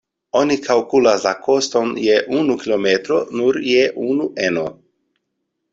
Oni kalkulas la koston je unu kilometro nur je unu eno.